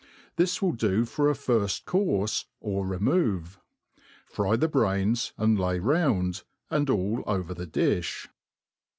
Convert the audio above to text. This ^ill do for a firfl courfe, or reiliove. Fry the braix>8 and lay round, and all over the difh.